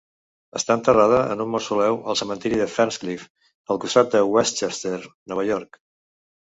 Està enterrada en un mausoleu al cementiri de Ferncliff al comtat de Westchester, Nova York.